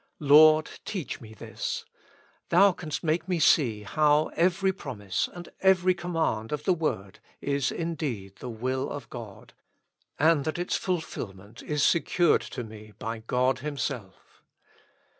Lord ! teach me this. Thou canst make me see how every promise and every command of the word is indeed the will of God, and that its fulfilment is secured to me by God Himself.